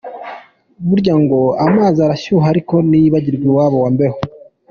Burya ngo amazi arashyuha ariko ntiyibagirwa iwabo wa mbeho!